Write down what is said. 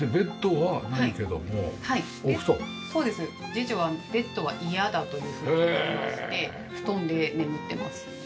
次女はベッドは嫌だというふうに言ってまして布団で眠ってます。